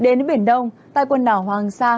đến biển đông tại quần đảo hoàng sa